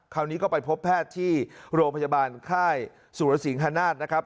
คราวนี้ก็ไปพบแพทย์ที่โรงพยาบาลค่ายสุรสิงฮนาศนะครับ